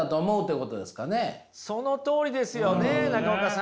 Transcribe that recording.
そのとおりですよね中岡さん。